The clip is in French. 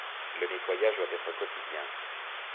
Le nettoyage doit être quotidien.